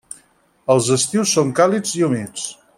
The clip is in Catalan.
Els estius són càlids i humits.